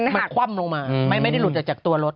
อสมมุติแม่ผัด